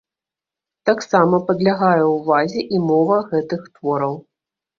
Таксама падлягае ўвазе і мова гэтых твораў.